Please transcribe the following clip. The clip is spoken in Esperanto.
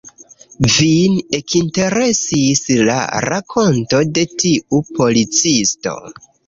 Vin ekinteresis la rakonto de tiu policisto.